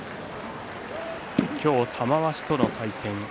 今日は玉鷲との対戦。